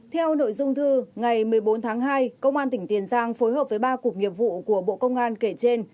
theo nội dung thư ngày một mươi bốn tháng hai công an tỉnh tiền giang phối hợp với ba cuộc nghiệp vụ của bộ công an kể trên